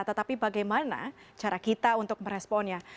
tetapi bagaimana cara kita untuk meresponnya